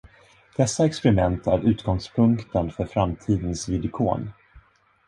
Dessa experiment är utgångspunkten för framtidens vidikon.